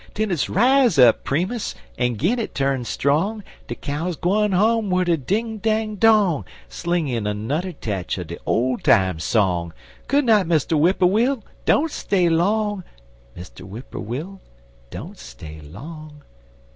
Den it's rise up, Primus! en gin it turn strong; De cow's gwine home wid der ding dang dong Sling in anudder tetch er de ole time song: Good night, Mr. Whipperwill! don't stay long! Mr. Whipperwill! don't stay long!